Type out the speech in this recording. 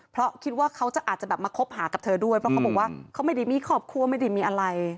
เพราะคิดว่าเขาจะอาจจะแบบมาคบหากับเธอด้วยเพราะเขาบอกว่าเขาไม่ได้มีครอบครัวไม่ได้มีอะไร